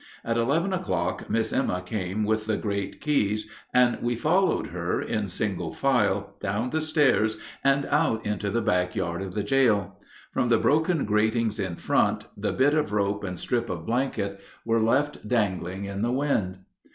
At eleven o'clock Miss Emma came with the great keys, and we followed her, in single file, down the stairs and out into the back yard of the jail. From the broken gratings in front, the bit of rope and strip of blanket were left dangling in the wind.